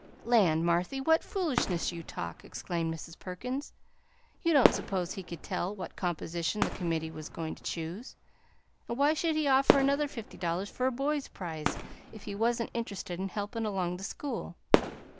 "Land, Marthy, what foolishness you talk!" exclaimed Mrs. Perkins; "you don't suppose he could tell what composition the committee was going to choose; and why should he offer another fifty dollars for a boy's prize, if he wan't interested in helpin' along the school?